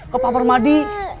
ke papar madi